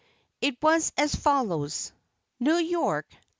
It was as follows: NEW YORK, Dec.